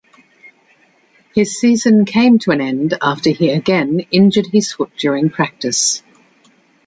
His season came to an end after he again injured his foot during practice.